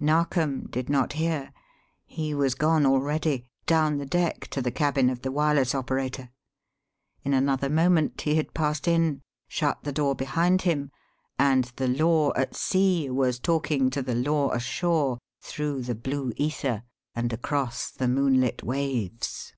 Narkom did not hear. He was gone already down the deck to the cabin of the wireless operator. In another moment he had passed in, shut the door behind him, and the Law at sea was talking to the Law ashore through the blue ether and across the moonlit waves.